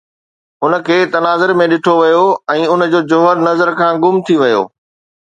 ان کي تناظر ۾ ڏٺو ويو ۽ ان جو جوهر نظر کان گم ٿي ويو